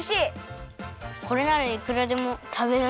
これならいくらでもたべられる。